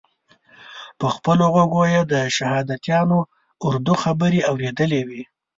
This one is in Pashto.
په خپلو غوږو یې د شهادیانو اردو خبرې اورېدلې وې.